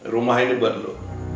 rumah ini buat lo